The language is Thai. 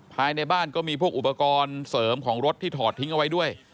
ภายในบ้านก็มีพวกอุปกรณ์เสริมของรถที่ถอดทิ้งเอาไว้ด้วย